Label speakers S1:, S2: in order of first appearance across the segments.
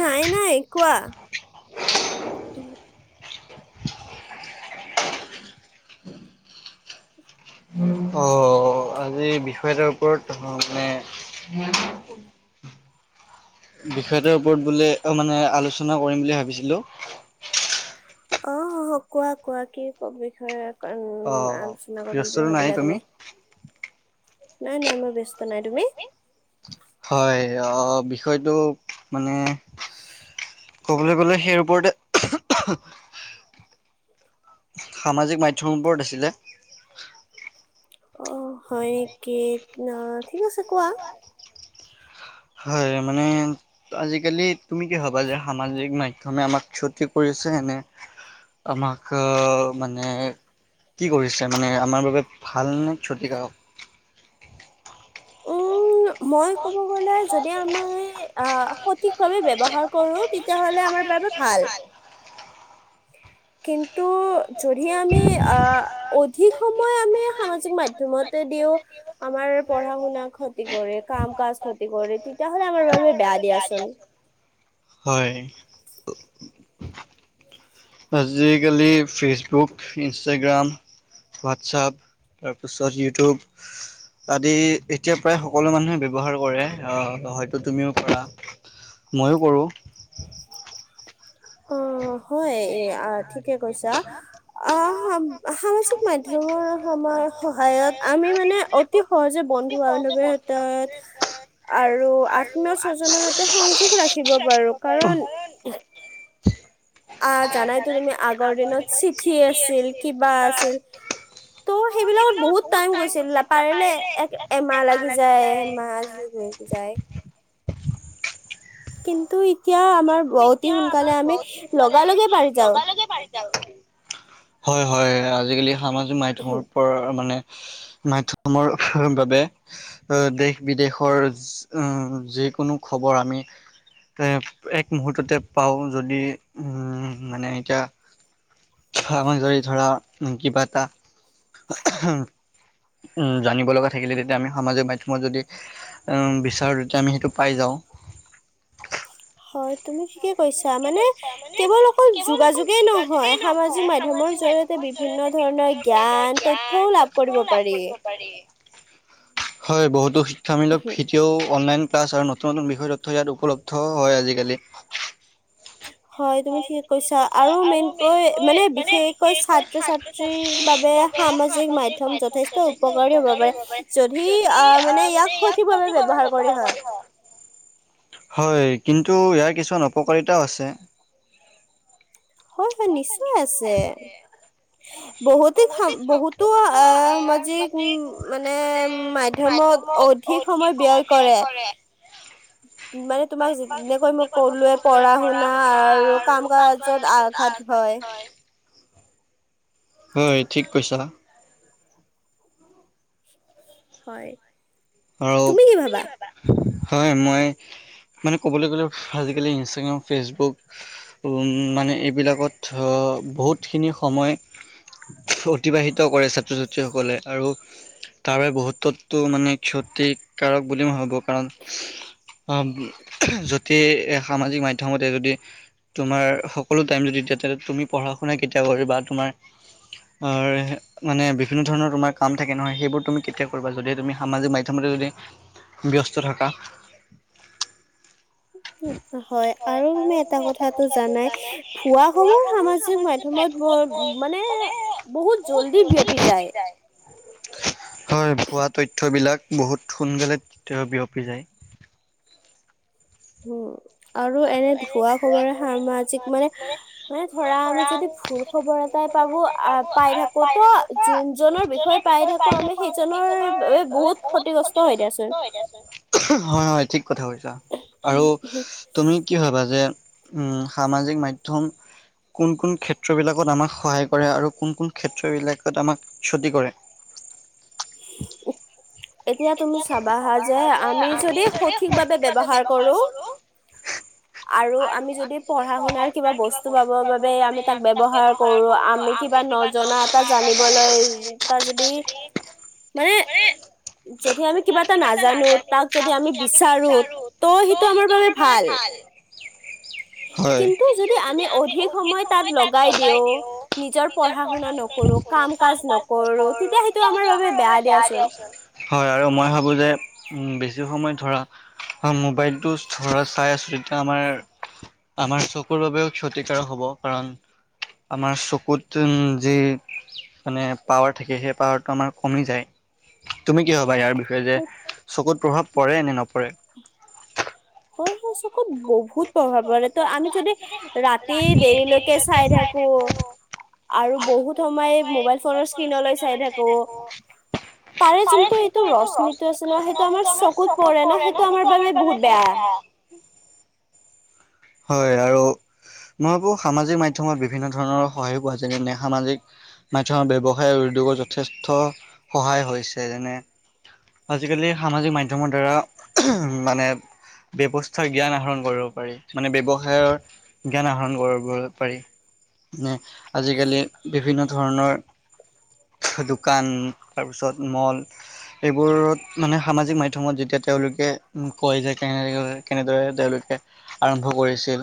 S1: নাই নাই কোৱা।
S2: অ, আজি বিষয় এটাৰ ওপৰত মানে বিষয় এটাৰ ওপৰত বোলে অ মানে আলোচনা কৰিম বুলি ভাবিছিলো।
S1: অঁ, কোৱা কোৱা কি ক বিষয়ে উম আলোচনা কৰিম বুলি ভাবিলা তুমি। নাই নাই মই ব্যস্ত নাই, তুমি?
S2: হয় অঁ বিষয়টো মানে ক'বলৈ গ'লে সেই ওপৰতে সামাজিক মাধ্যমৰ ওপৰত আছিলে।
S1: অ হয় নেকি, অঁ ঠিক আছে কোৱা।
S2: হয় মানে, আজিকালি তুমি কি ভবা যে সামাজিক মাধ্যমে আমাক ক্ষতি কৰিছে নে, আমাক মানে কি কৰিছে মানে, আমাৰ বাবে ভাল নে ক্ষতিকাৰক? [inaudible]
S1: মই কব গলে যদি আমি আহ সঠিক ভাৱে ব্যৱহাৰ কৰো তেতিয়াহলে আমাৰ বাবে ভাল।
S2: [inaudible]
S1: কিন্তু যদি আমি আহ অধিক সময় আমি সামাজিক মাধ্যম তে দিও আমাৰ পঢ়া শুনা কাম ক্ষতি কৰে, কাম কাজ ক্ষতি কৰে, তেতিয়াহলে আমাৰ বাবে বেয়া দিয়াচোন।
S2: হয়। আজিকালি ফেচবুক, ইনষ্টাগ্ৰাম, হোৱাটচাপ তাৰপিছত ইউটিউব আদি এতিয়া প্ৰায় সকলো মানুহে ব্যৱহাৰ কৰে, আহ হয়তো তুমিও কৰা। মইয়ো কৰোঁ।
S1: অ, হয় এ ঠিকে কৈছা, সামা জিক মাধ্যময় সহায়ত আমি মানে অতি সহজে বন্ধু বান্ধৱীৰ [inaudible] আৰু আত্মীয় স্বজনৰ সৈতে সংযোগ ৰাখিব পাৰো, কাৰণ আহ, জানাইতো তুমি আগৰ দিনত চিঠি আছিল কিবা আছিল। ত' সেইবিলাকত বহুত টাইম গৈছিল, পাৰিলে এক এমাহ লাগি যায় এমাহ। হৈ যায়। কিন্তু এতিয়া আমাৰ অতি সোনকালে আমি লগা লগে পাৰি যাও।
S2: হয় হয়, আজিকালি সামাজিক মাধ্যমৰ পৰা মানে মাধ্যমৰ বাবে। হয় দেশ-বিদেশৰ উম যিকোনো খবৰ আমি এ এক মুহূৰ্ততে পাওঁ যদি উম মানে এতিয়া [unintelligible] ধৰা কিবা এটা উম', জানিব লগা থাকিলে তেতিয়া আমি সামাজিক মাধ্যমৰ যোগেদি অ' বিচাৰো তেতিয়া আমি সেইটো পাই যাওঁ।
S1: হয়, তুমি ঠিক ঠিকে কৈছা মানে কেৱল অকল যোগাযোগেই নহয় সামাজিক মাধ্যমৰ জৰিয়ত বিভিন্ন ধৰণৰ জ্ঞান তথ্যও লাভ কৰিব পাৰি।
S2: পাৰি হয় বহুতো শিক্ষামূলক ভিড ডিঅ অনলাইন ক্লাছ আৰু নতুন-নতুন বিষয় তথ্য ইয়াত উপলব্ধ হয় আজিকালি।
S1: হয় তুমি ঠিকে কৈছা আৰু মেনকৈ মানে বিশেষকৈ ছাত্ৰ-ছাত্ ত্ৰি বাবে সামাজিক মাধ্যম যথেষ্ট উপকাৰী হ'ব পাৰে যদি আহ', মানে ইয়াক স সঠিকভাৱে ব্যৱহাৰ কৰে হয়
S2: হয় কিন্তু ইয়াৰ কিছুমান অপকাৰিতাও আছে।
S1: হয়', হয়' নিশ্চয় আছে। বহুতে খাম বহুতো আ' সামাজিক মানে মাধ্যমত অধিক সময় ব্যয় কৰে।
S2: [unintelligible] মানে তোমাক যেনেকৈ মই কলোৱে পঢ়া-শুনা আৰু কাম [unintelligible] হয়' ঠিক কৈছা।
S1: হয়।
S2: আৰু হয় মই মানে ক'বলৈ গ'লে আজিকালি ইনষ্টাগ্ৰাম, ফেচবুক। উম মানে এইবিলাকত অ' বহুতখিনি সময়। অতিবাহিত কৰে চব ছাত্ৰ-ছাত্ৰীসকলে আৰু তাৰবাবে বহুতততো মানে ক্ষতিকাৰক বুলি মই ভাবোঁ কাৰণ আ যতে সামাজিক মাধ্যমতে যদি তোমাৰ সকলো টাইম যদি তেতিয়াহলে তুমি পঢ়া শুনা কেতিয়া কৰিবা তোমাৰ আৰ মানে বিভিন্ন ধৰণৰ তোমাৰ কাম থাকে নহয় সেইবোৰ তুমি কেতিয়া কৰিবা যদি তুমি সামাজিক মাধ্যমতে যদি ব্যস্ত থাকা
S1: হয় আৰু তুমি এটা কথাটো জানাই ভুৱা খবৰ সামাজিক মাধ্যমত ম মানে বহুত জল্দি বিয়পি যায়।
S2: হয় ভুৱা তথ্যবিলাক বহুত সোনকালে বিয়পি যায়
S1: উম আৰু এনে ভুৱা খবৰে সামাজিক মানে মানে ধৰা আমি যদি ভু খবৰ এটাই পাবো আ পাই থাকো তো যোনজনৰ বিষয়ে পাই থাকো আমি সেইজনৰ ব বহুত ক্ষতিগ্ৰস্ত হয় দিয়াচোন
S2: হয় হয় ঠিক কথা কৈছা আৰু তুমি কি ভবা যে উম সামাজিক মাধ্যম কোন কোন ক্ষেত্ৰবিলাকত আমাক সহায় কৰে আৰু কোন কোন ক্ষেত্ৰবিলাকত আমাক ক্ষতি কৰে [unintelligible] এতিয়া তুমি চাবা হা যে আমি যদি সঠিকভাৱে ব্যৱহাৰ কৰোঁ
S1: আৰু আমি যদি পঢ়া শুনাৰ কিবা বস্তু পাব বাবে আমি তাক ব্যৱহাৰ কৰো আমি কিবা নজ জনা এটা জানিবলৈ তাৰ যদি
S2: কৰি
S1: যদি আমি কিবা এটা নাজানো, তাক যদি আমি বিচাৰো ত' সেইটো আমাৰ বাবে ভাল।
S2: [unintelligible] হয়। কিন্তু যদি আমি অধিক সময় তাত লগাই দিওঁ, নিজৰ পঢ়া-শুনা নকৰোঁ কাম-কাজ নকৰো, তেতিয়া সেইটো আমাৰ বাবে বেয়া দিয়াচোন। হয়, আৰু মই ভাবোঁ যে বেছি সময় ধৰা মোবাইলটোচ ধৰা চাই আছো তেতিয়া আমাৰ, আমাৰ চকুৰ বাবেও ক্ষতিকাৰক হ'ব কাৰণ আমাৰ চকুত টোন যি মানে পাৱাৰ থাকে, সেই পাৱাৰটো আমাৰ কমি যায়। তুমি কি ভাৱা ইয়াৰ বিষয়ে যে চকুত প্ৰভাৱ পৰে নে নপৰে?
S1: হয়, হয়। চকুত বহুত প্ৰভাৱ পৰে ত' আমি যদি ৰাতি দেৰিলৈকে চাই থাকো। আৰু বহুত সময় মোবাইল ফোনৰ স্ক্ৰীণলৈ চাই থাকো। তাৰে যোনটো এইটো ৰসনীটো আছে ন', সেইটো আমাৰ চকুত পৰে ন' সেইটো আমাৰ বাবে বহুত বেয়া। [inaudible]
S2: হয়, আৰু মই ভাবো সামাজিক মাধ্যমত বিভিন্ন ধৰণৰ সহায় পোৱা যেনে সামাজিক মাধ্যমত ব্যৱসায় উদ্যোগত যথেষ্ট সহায় হৈছে যেনে আজিকালি সামাজিক মাধ্যমৰ দ্বাৰা মানে ব্যৱস্থা জ্ঞান আহৰণ কৰিব পাৰি। মানে ব্যৱসায়ৰ জ্ঞান আহৰণ কৰবৰ পাৰি। মানে আজিকালি বিভিন্ন ধৰণৰ দোকান, তাৰপিছত মল এইবোৰত মানে সামাজিক মাধ্যমত যেতিয়া তেওঁলোকে কয় যে-কেনে কেনেদৰে তেওঁলোকে আৰম্ভ কৰিছিল।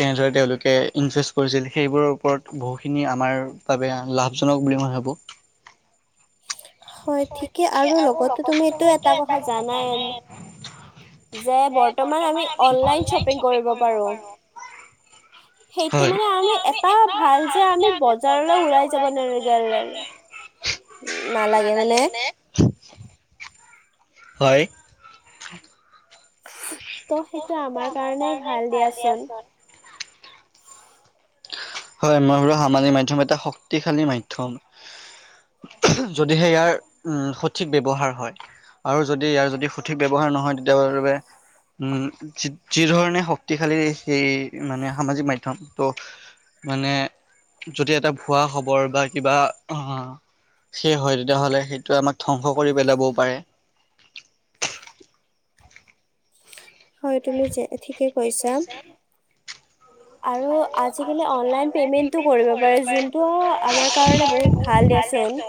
S2: কেনেদৰে তেওঁলোকে ইনচেষ্ট কৰিছিল, সেইবোৰৰ ওপৰত বহুখিনি আমাৰ বাবে লাভজনক বুলি মই ভাবোঁ। হয়, ঠিকে। আৰু লগতটো তুমি এটা কথা জানাই
S1: যে বৰ্তমান আমি অনলাইন শ্বপিং
S2: আমি কৰিব পাৰো।
S1: সেইটো মানে আমি এটা ভাল যে আমি বজাৰলৈ ওলাই যাব [unintelligible] নালাগে মানে।
S2: হয়। ত' সেইটো আমাৰ কাৰণে ভাল দিয়াচোন। হয়, মই [unintelligible] সামাজিক মাধ্যম এটা শক্তিশালী মাধ্যম। যদিহে ইয়াৰ উম সঠিক ব্যৱহাৰ হয়। আৰু যদি ইয়াৰ যদি সঠিক ব্যৱহাৰ নহয় তেতিয়াবাৰৰ বে উম, যি ধৰণে শক্তিশালী সেই মানে সামাজিক মাধ্যম ত' মানে যদি এটা ভুৱা খবৰ বা কিবা আ সে হয় তেতিয়াহ'লে, সেইটোৱে আমাক ধ্বংস কৰি পেলাবও পাৰে।
S1: হয়, তুমি যে ঠিকে কৈছা। আৰু আজিকালি অনলাইন পেমেন্টো কৰিব পাৰি, যোনটো আমাৰ কাৰণে বহুত ভাল দিয়াচোন।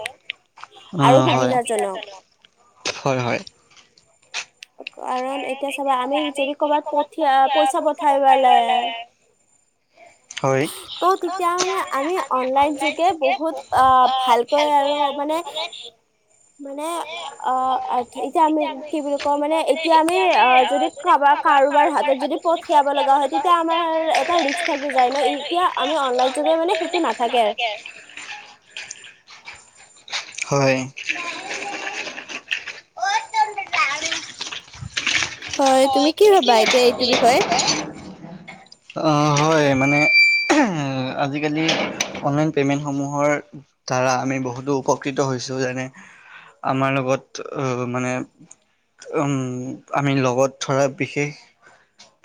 S2: অ, হয়। হয়, হয়।
S1: কাৰণ এতিয়া চাবা, আমি যদি কবাত পঠিয়া পইচা পঠাই বা লাগে
S2: হয়। ত' তেতিয়াহ'লে আমি অনলাইন যোগে বহুত আ ভালকৈ আৰু মানে
S1: মানে অ! এতিয়া আমি কি বুলি কওঁ মানে এতিয়া আমি অ যদি কাবাৰ কাৰোবাৰ হাতত যদি পঠিয়াব লগা হয় তেতিয়া আমাৰ এটা ৰিক্স থাকে যে যাই ন এতিয়া আমি অনলাইন যোগে মানে সেইটো নাথাকে।
S2: হয়। [unintelligible] [unintelligible] হয়, তুমি কি ভাবিছোঁ এনেই বিষয়ে? অঁ! হয় মানে [unintelligible] উম! আজিকালি অনলাইন পে'মেন্টসমূহৰ দ্বাৰা আমি বহুতো উপ উপকৃত হৈছোঁ যেনে আমাৰ লগত অ মানে উম! আমি লগত ধৰা বিশেষ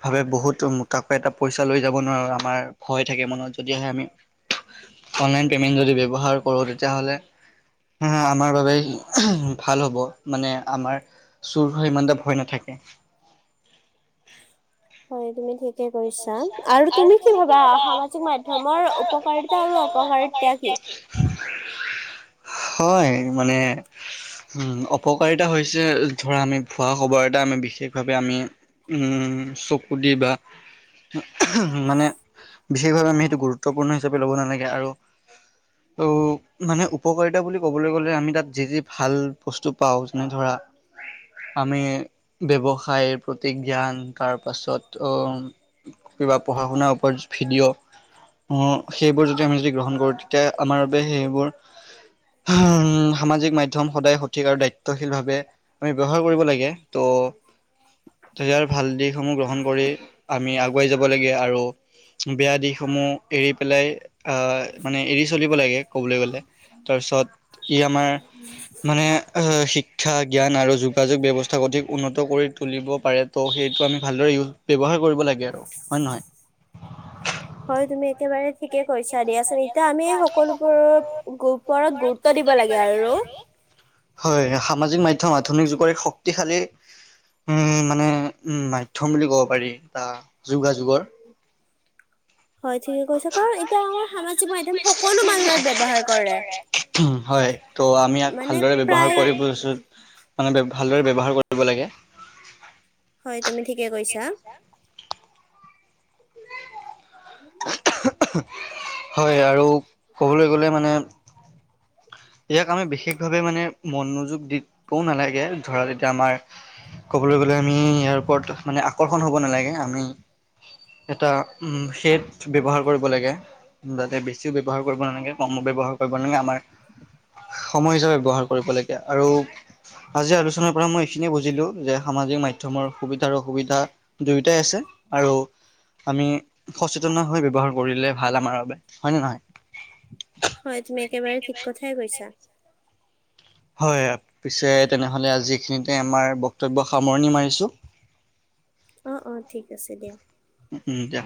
S2: ভাবে বহুত মোটাকৈ এটা পইচা লৈ যাব নোৱাৰো আমাৰ ভয় থাকে মনত যদি আহে আমি অনলাইন পেমেন্ট যদি ব্যৱহাৰ কৰোঁ তেতিয়া হ'লে উম! আমাৰ বাবে ভাল হ'ব মানে আমাৰ চুৰ হৈ ইমান এটা ভয় নাথাকে।
S1: হয়, তুমি ঠিক ঠিকে কৰিছা। আৰু তুমি কি ভাবা সামাজিক মাধ্যমৰ উপকাৰিতা আৰু অপকাৰিতা কি?
S2: [unintelligible] হয় মানে উম! অপকাৰিতা হৈছে ধৰা আমি ভুৱা খবৰ এটা আমি বিশেষভাৱে আমি উম! চকু দিবা। [unintelligible] মানে বিশেষভাৱে আমি সেইটো গুৰুত্বপূৰ্ণ হিচাপে ল'ব নালাগে আৰু উম [unintelligible] ত মানে উপকাৰিতা বুলি ক'বলৈ গ'লে আমি তাত যি-যি ভাল বস্তু পাওঁ যেনে ধৰা আমি ব্যৱসায়, প্ৰতি জ্ঞান তাৰ পাছত অ কিবা পঢ়া-শুনাৰ ওপৰত ভিডিঅ'। উম! সেইবোৰ যদি আমি যদি গ্ৰহণ কৰোঁ তেতিয়া আমাৰ বাবে সেইবোৰ [unintelligible] উম সামাজিক মাধ্যম সদায় সঠিক আৰু দায়িত্বশীল ভাৱে আমি ব্যৱহাৰ কৰিব লাগে। ত' তেতিয়া আৰু ভাল দিশসমূহ গ্ৰহণ কৰি আমি আগুৱাই যাব লাগে আৰু বেয়া দিশসমূহ এৰি পেলাই আহ মানে এৰি চলিব লাগে ক'বলৈ গ'লে। তাৰপিছত ই আমাৰ মানে অ শিক্ষা, জ্ঞান আৰু যোগাযোগ ব্যৱস্থ স্থা অধিক উন্নত কৰি তুলিব পাৰে ত' সেইটো আমি ভালদৰে ইউজ ব্যৱহাৰ কৰিব লাগে আৰু হয় নহয়।
S1: হয়, তুমি একেবাৰে ঠিকে কৈছা দিয়া চোন। এতিয়া আমি সকলোবোৰৰ ওপৰত গুৰুত গুৰুত্ব দিব লাগে আৰু।
S2: হয়, সামাজিক মাধ্যম আধুনিক যুগৰ এক শক্তিশালী উম! মানে উম মাধ্যম বুলি ক'ব পাৰি এটা যোগাযোগৰ।
S1: হয়, ঠিকে কৈছা। কাৰণ এতিয়া আমাৰ সামাজিক মাধ্যম সকলো মানুহে ব্যৱহাৰ কৰে।
S2: হয়, ত' আমি ইয়াক ভালদৰে ব্যৱহাৰ কৰিব লৈছোঁ। মানে ভালদৰে ব্যৱহাৰ কৰিব লাগে।
S1: হয়, তুমি ঠিকেই কৈছা। [unintelligible]
S2: [unintelligible] হয় আৰু ক'বলৈ গ'লে মানে ইয়াক আমি বিশেষভাৱে মানে মনোযোগ দিবও নালাগে ধৰক এতিয়া আমাৰ ক'বলৈ গ'লে আমি ইয়াৰ ওপৰত মানে আকৰ্ষণ হ'ব নালাগে আমি এটা উম শেড ব্যৱহাৰ কৰিব লাগে। যাতে বেছিও ব্যৱহাৰ কৰিব নালাগে, কমো ব্যৱহাৰ কৰিব নালাগে, আমাৰ সময় হিচাপে ব্যৱহাৰ কৰিব লাগে আৰু আজি আলোচনাৰ পৰা মই এইখিনিয়ে বুজিলোঁ, যে সামাজিক মাধ্যমৰ সুবিধাৰ অসুবিধা দুয়োটাই আছে আৰু আমি সচেতন হয় ব্যৱহাৰ কৰিলে ভাল আমাৰ বাবে। হয় নে নহয়?
S1: হয় তুমি একেবাৰে ঠিক কথাই কৈছা।
S2: [inaudible] হয়, পিছে তেনেহ'লে আজি এইখিনিতে আমাৰ বক্তব্য সামৰণি মাৰিছোঁ
S1: অ' অ' ঠিক আছে দিয়া।
S2: উম' উম' দিয়া।